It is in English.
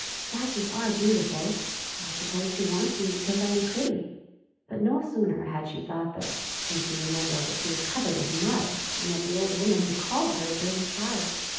" Statues are beautiful. I suppose she wants me because I am pretty! " But no sooner had she thought this than she remembered that she was covered with mud, and that the old woman had called her a dirty child.